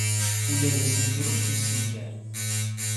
Ula d assenker ur t-yessenker.